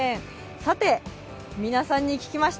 さて、皆さんに聞きました。